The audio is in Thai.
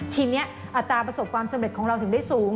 ทีนี้อัตราประสบความสำเร็จของเราถึงได้สูง